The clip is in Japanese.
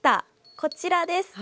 こちらです。